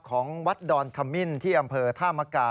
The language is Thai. ของวัดดอนขมิ้นที่อำเภอธามกา